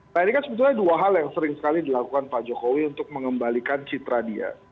nah ini kan sebetulnya dua hal yang sering sekali dilakukan pak jokowi untuk mengembalikan citra dia